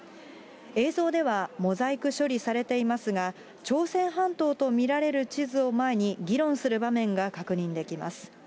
映像ではモザイク処理されていますが、朝鮮半島と見られる地図を前に議論する場面が確認できます。